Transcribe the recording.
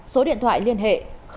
số điện thoại liên hệ